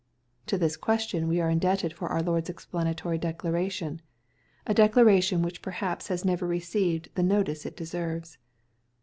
To this question we are indebted for our Lord^s explanatory declaration — a declaration which perhaps has never received the notice it deserves.